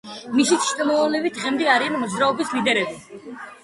მისი შთამომავლები დღემდე არიან მოძრაობის ლიდერები.